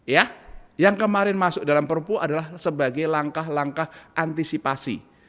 ya yang kemarin masuk dalam perpu adalah sebagai langkah langkah antisipasi